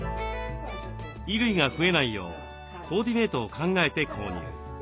衣類が増えないようコーディネートを考えて購入。